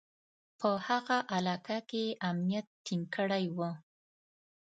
په هغه علاقه کې یې امنیت ټینګ کړی و.